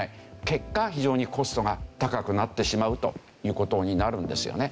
結果非常にコストが高くなってしまうという事になるんですよね。